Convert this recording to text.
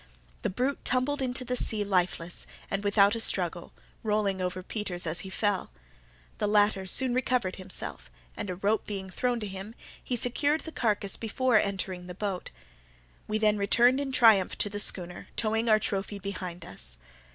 The brute tumbled into the sea lifeless, and without a struggle, rolling over Peters as he fell. The latter soon recovered himself, and a rope being thrown him, he secured the carcass before entering the boat. We then returned in triumph to the schooner, towing our trophy behind us.